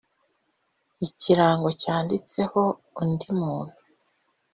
ikirango cyanditsweho undi muntu